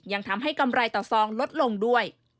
ยังทำให้กำไรต่อซองลดลงด้วย